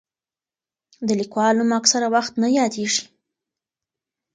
د لیکوال نوم اکثره وخت نه یادېږي.